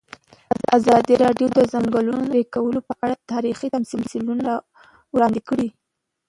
ازادي راډیو د د ځنګلونو پرېکول په اړه تاریخي تمثیلونه وړاندې کړي.